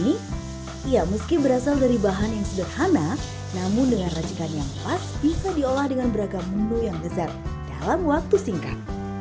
ya meski berasal dari bahan yang sederhana namun dengan racikan yang pas bisa diolah dengan beragam menu yang lezat dalam waktu singkat